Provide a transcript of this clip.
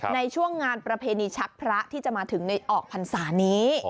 ในช่วงงานประเพณีชักพระที่จะมาถึงในออกพรรษานี้